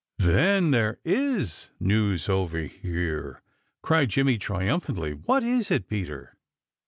"Then there IS news over here!" cried Jimmy triumphantly. "What is it, Peter?"